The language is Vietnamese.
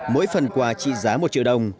mỗi phần quà trị giá một triệu đồng